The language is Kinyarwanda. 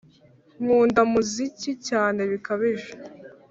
nkunda muziki cyane bikaje